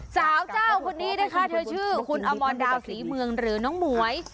เจ้าคนนี้นะคะเธอชื่อคุณอมรดาวศรีเมืองหรือน้องหมวย